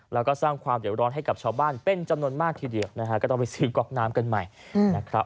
แล้วก็สร้างความเดี่ยวร้อนให้กับชาวบ้านเป็นจำนวนมากทีเดียวนะฮะก็ต้องไปซื้อก๊อกน้ำกันใหม่นะครับ